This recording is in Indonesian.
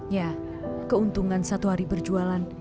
ya keuntungan satu hari berjualan